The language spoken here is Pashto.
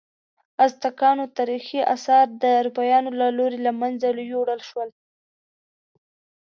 ازتکانو تاریخي آثار د اروپایانو له لوري له منځه یوړل شول.